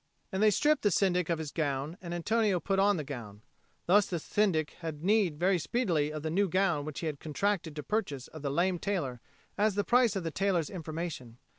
And they stripped the Syndic of his gown, and Antonio put on the gown. Thus the Syndic had need very speedily of the new gown which he had contracted to purchase of the lame tailor as the price of the tailor's information.